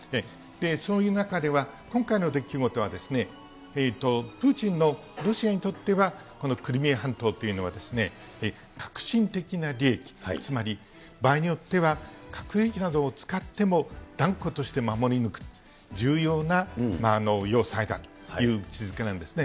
そういう中では、今回の出来事は、プーチンのロシアにとっては、このクリミア半島というのは、革新的な利益、つまり場合によっては、核兵器などを使っても、断固として守り抜く重要な要塞だという位置づけなんですね。